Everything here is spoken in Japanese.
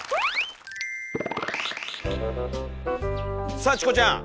さあチコちゃん！